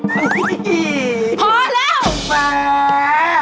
พอแล้ว